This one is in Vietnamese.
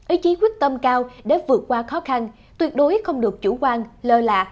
ý chí quyết tâm cao để vượt qua khó khăn tuyệt đối không được chủ quan lơ lạ